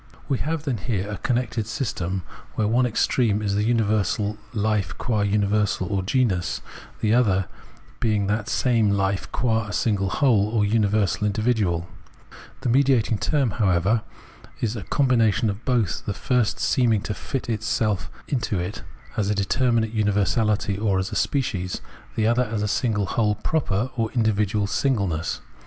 We have, then, here a connected system, where one extreme is the universal hfe qua universal or genus, the other being that same Hfe qua a single whole, or universal individual : the mediating term, however, is a com bination of both, the first seeming to fit itself into it as determinate universality or as species, the other as single whole proper or individual singleness.